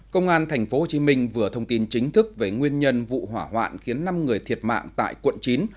công an tp hcm vừa thông tin chính thức về nguyên nhân vụ hỏa hoạn khiến năm người thiệt mạng tại quận chín